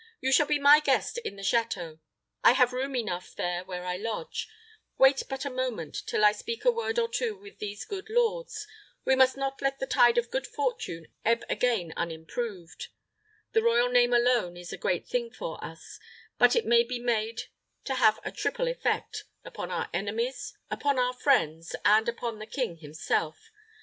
"You shall be my guest in the château. I have room enough there where I lodge. Wait but a moment till I speak a word or two with these good lords. We must not let the tide of good fortune ebb again unimproved. The royal name alone is a great thing for us; but it may be made to have a triple effect upon our enemies, upon our friends, and upon the king himself.